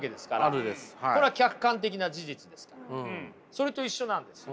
それと一緒なんですよ。